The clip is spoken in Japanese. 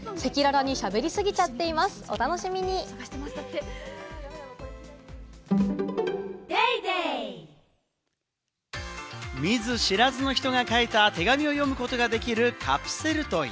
「ディアナチュラ」見ず知らずの人が書いた手紙を読むことができるカプセルトイ。